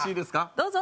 どうぞ！